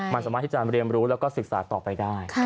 มันสามารถที่จะเรียนรู้แล้วก็ศึกษาต่อไปได้